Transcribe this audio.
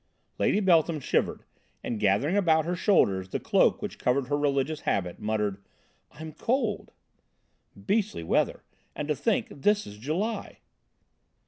Lady Beltham shivered, and, gathering about her shoulders the cloak which covered her religious habit, muttered: "I'm cold." "Beastly weather, and to think this is July."